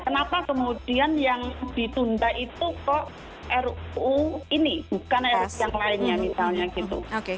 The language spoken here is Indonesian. kenapa kemudian yang ditunda itu kok ruu ini bukan ruu yang lainnya misalnya gitu